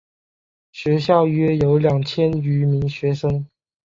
学校约有两千余名学生。